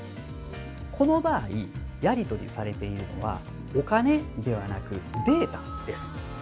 この場合やり取りされているのはお金ではなくデータです。